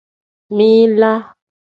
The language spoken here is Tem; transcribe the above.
Min-laa.